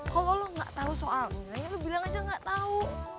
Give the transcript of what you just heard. kalau lo gak tahu soal misalnya lo bilang aja nggak tahu